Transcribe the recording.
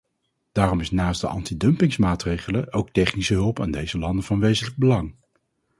Daarom is naast de anti-dumpingsmaatregelen ook technische hulp aan deze landen van wezenlijk belang.